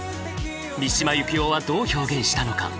三島由紀夫はどう表現したのか？